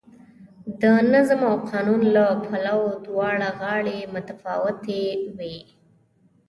د نظم او قانون له پلوه دواړه غاړې متفاوتې وې.